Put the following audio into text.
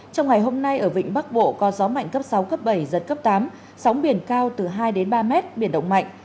trong ngày hôm nay ở vịnh bắc bộ có gió mạnh cấp sáu cấp bảy giật cấp tám sóng biển cao từ hai ba mét biển động mạnh